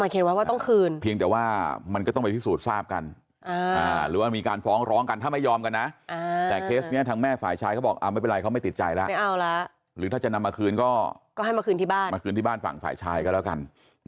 ก็บอกไม่เป็นไรเขาไม่ติดใจแล้วหรือถ้าจะนำมาคืนก็ให้มาคืนที่บ้านฝั่งฝ่ายชายก็แล้วกัน